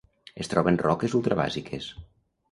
Es troba en roques ultrabàsiques.